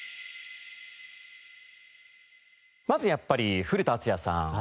まずやっぱり古田敦也さん。